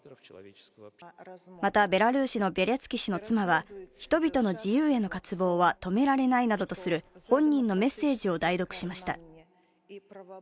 また、ベラルーシのビャリャツキ氏の妻は、人々の自由への渇望は止められないなどとする本人のメッセージを代読しました。